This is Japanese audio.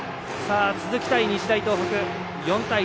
続きたい日大東北４対１。